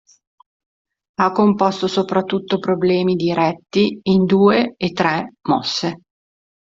Ha composto soprattutto problemi diretti in due e tre mosse.